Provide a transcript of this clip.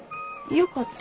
よかった？